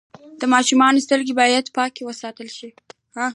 د ماشوم سترګې باید پاکې وساتل شي۔